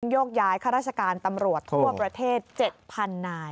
โยกย้ายข้าราชการตำรวจทั่วประเทศ๗๐๐นาย